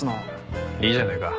いいじゃねえか。